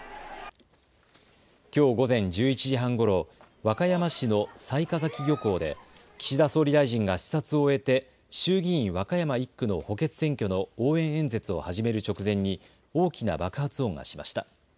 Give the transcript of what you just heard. きょう午前１１時半ごろ、和歌山市の雑賀崎漁港で岸田総理大臣が視察を終えて衆議院和歌山１区の補欠選挙の応援演説を始める直前に大きな爆発音がしました。